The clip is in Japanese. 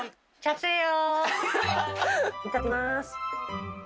せのいただきます。